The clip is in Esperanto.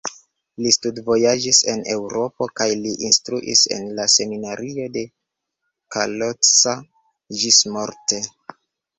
Li studvojaĝis en Eŭropo kaj li instruis en la seminario de Kalocsa ĝismorte.